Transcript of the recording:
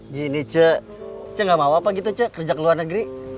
gini cek cek gak mau apa gitu cek kerja ke luar negeri